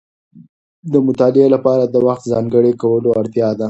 د مطالعې لپاره د وخت ځانګړی کولو اړتیا ده.